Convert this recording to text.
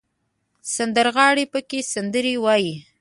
سندرغاړي پکې سندرې وايي.